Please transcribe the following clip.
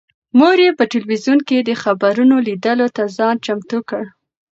مور یې په تلویزون کې د خبرونو لیدلو ته ځان چمتو کړ.